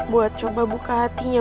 buat coba buka hatinya